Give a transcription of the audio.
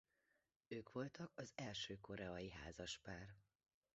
Ők voltak az első koreai házaspár.